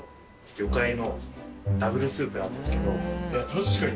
確かに。